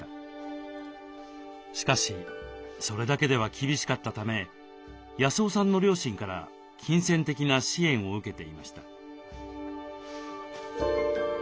しかしそれだけでは厳しかったため康雄さんの両親から金銭的な支援を受けていました。